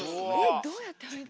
どうやって入って。